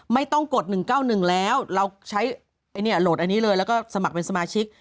ไม่ต้องกด๑๙๑แล้วเราใช้โหลดอันนี้เลยแล้วก็สมัครเป็นสมาชิก